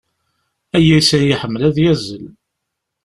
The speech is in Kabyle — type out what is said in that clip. Ayyis-a iḥemmel ad yazzel.